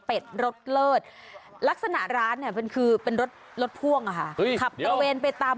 เต็ดรถเลิศลักษณะร้านนั้นเป็นคือเป็นรถรถพ่วงอ่ะคับเมืองไปตาม